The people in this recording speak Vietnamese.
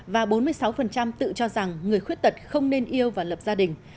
và bốn mươi sáu tự cho rằng người khuyết tật không nên yêu và lập gia đình